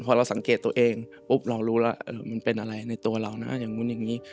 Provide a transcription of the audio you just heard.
ปุ๊บเรารู้แล้วมันเป็นอะไรในตัวเรานะอย่างนู้นอย่างนี้